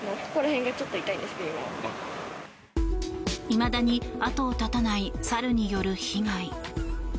いまだに後を絶たない猿による被害。